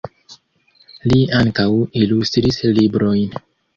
Li ankaŭ ilustris librojn.